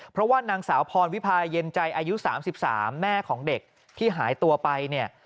เพราะว่านางสาวพรวิพาเย็นใจอายุ๓๓แม่ของเด็กที่หายตัวไปเนี่ย